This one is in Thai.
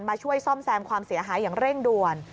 ช่วยซ่อมแซมความเสียหายอย่างเร่งด่วน